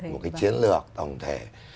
một cái chiến lược tổng thể